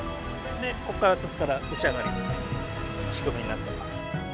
でこっから筒から打ち上がるような仕組みになってます。